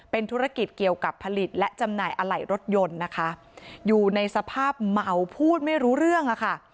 เป็นธุรกิจเกี่ยวกับผลิตและจำหน่ายอะไหล่รถยนต์นะคะอยู่ในสภาพเมาพูดไม่รู้เรื่องอะค่ะ